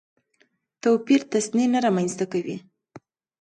توپیر تصنع نه رامنځته کوي.